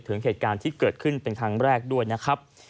ถึงเหตุการณ์ที่เกิดขึ้นเป็นครั้งแรกด้วยนะครับ